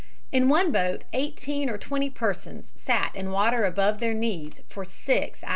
In one boat eighteen or twenty persons sat in water above their knees for six hours.